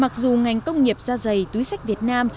mặc dù ngành công nghiệp da dày túi sách việt nam